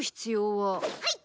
はい！